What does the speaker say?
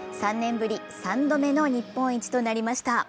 ３年ぶり３度目の日本一となりました。